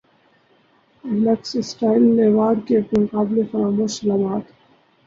looks style award کے ناقابل فراموش لمحات